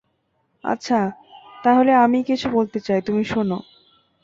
আচ্ছা, তা হলে আমিই কিছু বলতে চাই তুমি শোনো।